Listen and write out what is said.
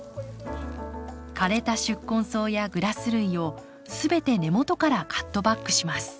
枯れた宿根草やグラス類を全て根元からカットバックします。